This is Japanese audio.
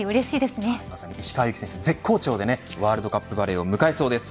石川祐希選手、絶好調でワールドカップを迎えそうです。